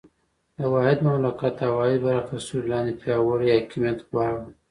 د واحد مملکت او واحد بېرغ تر سیوري لاندې پیاوړی حاکمیت غواړو.